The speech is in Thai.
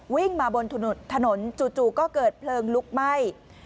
วิ่งมาบนถนนจู่ก็เกิดเพลิงลุกไหม้